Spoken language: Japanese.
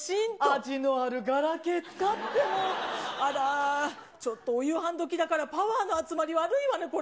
味のあるガラケー使って、あらー、ちょっとお夕飯どきだから、パワーの集まり悪いわね、これ。